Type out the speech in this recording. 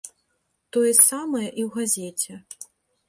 Тое самае і ў газеце.